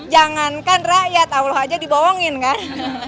jangankan rakyat allah aja dibohongin kan